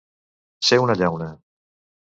Ser una llauna.